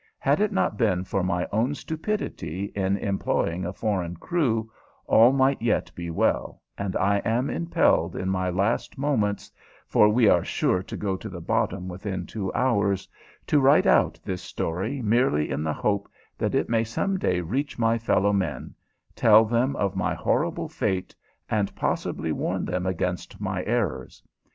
Had it not been for my own stupidity in employing a foreign crew, all might yet be well, and I am impelled in my last moments, for we are sure to go to the bottom within two hours, to write out this story merely in the hope that it may some day reach my fellow men, tell them of my horrible fate, and possibly warn them against my errors.